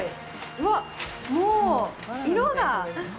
うわっ、もう色が！